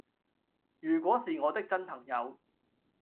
如果是我的真朋友